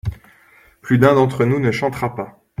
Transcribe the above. Plus d’un d’entre nous ne chantera pas.